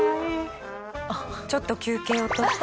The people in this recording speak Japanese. ちょっと休憩を取って。